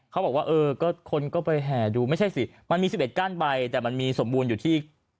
เขาบอกว่าเออก็คนก็ไปแห่ดูไม่ใช่สิมันมี๑๑ก้านใบแต่มันมีสมบูรณ์อยู่ที่